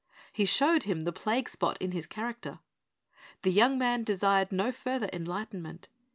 He showed him the plague spot in his character. The young man desired no further enlightenment.